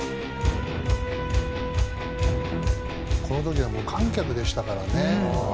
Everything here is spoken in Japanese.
「この時は無観客でしたからね」